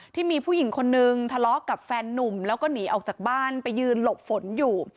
ที่มีผู้หญิงคนนึงทะเลาะกับแฟนนุ่มแล้วก็หนีออกจากบ้านไปยืนหลบฝนอยู่